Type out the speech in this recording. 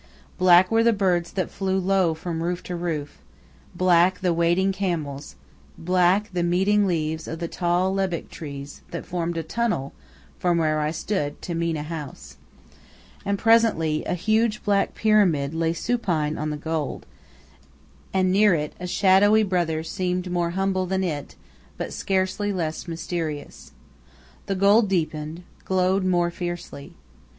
Black were the birds that flew low from roof to roof, black the wading camels, black the meeting leaves of the tall lebbek trees that formed a tunnel from where I stood to Mena House. And presently a huge black Pyramid lay supine on the gold, and near it a shadowy brother seemed more humble than it, but scarcely less mysterious. The gold deepened, glowed more fiercely.